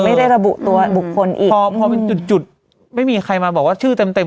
ไม่ได้ระบุตัวบุคคลอีกพอพอเป็นจุดจุดไม่มีใครมาบอกว่าชื่อเต็มเต็ม